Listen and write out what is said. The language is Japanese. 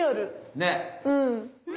ねっ。